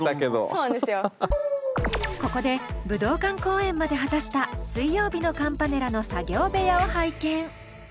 ここで武道館公演まで果たした水曜日のカンパネラの作業部屋を拝見。